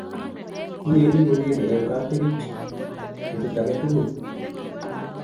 kiwendi kogeerei Eng' kapkerich betut age tugul